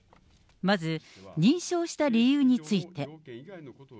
まず、認証した理由について。